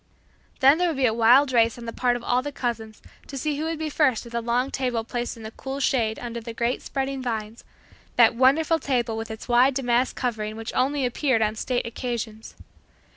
Then there would be a wild race on the part of all the cousins to see who would be first at the long table placed in the cool shade under the great spreading vines, that wonderful table with its wide damask covering which only appeared on state occasions.